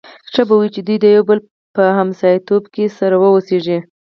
ښه به وي چې دوی د یو بل په ګاونډ کې سره واوسيږي.